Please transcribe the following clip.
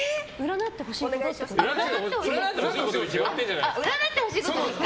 占ってほしいことか。